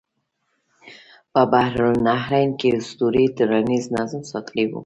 په بین النهرین کې اسطورې ټولنیز نظم ساتلی و.